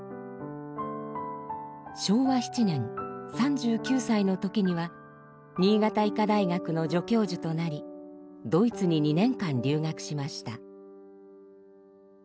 昭和７年３９歳の時には新潟医科大学の助教授となりドイツに２年間留学しました。